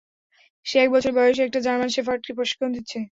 সে এক বছর বয়সী একটা জার্মান শেফার্ডকে প্রশিক্ষণ দিচ্ছে।